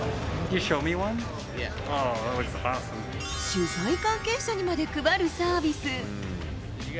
取材関係者にまで配るサービス。